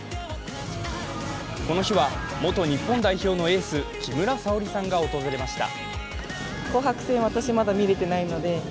この日は元日本代表のエース木村沙織さんが訪れました。